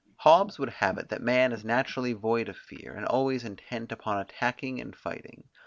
Hobbes would have it that man is naturally void of fear, and always intent upon attacking and fighting.